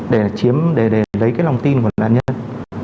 để chiếm để lấy cái lòng tin của nạn nhân